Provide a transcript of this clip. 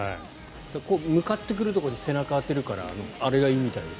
向かってくるところに背中を当てるからあれがいいみたいです。